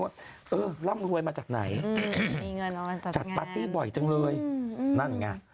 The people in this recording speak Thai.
ว่าเออร่ำรวยมาจากไหนจัดปาร์ตี้บ่อยจังเลยนั่นไง